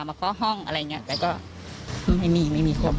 เคาะห้องอะไรอย่างนี้แล้วก็ไม่มีไม่มีคม